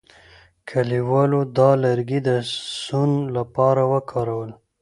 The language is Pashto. کلیوالو دا لرګي د سون لپاره وکارول.